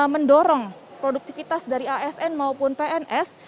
mendorong produktivitas dari asn maupun pns